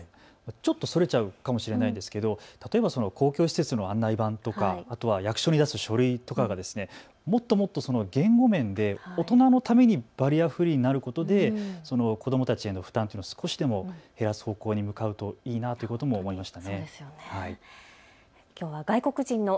ちょっとそれちゃうかもしれないんですけど公共施設の案内版とか役所に出す書類とかもっともっと言語面で大人のためにバリアフリーになることで子どもたちへの負担を少しでも減らす方向に向かうといいなということも思いました。